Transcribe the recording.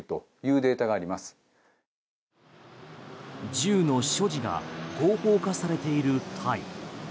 銃の所持が合法化されているタイ。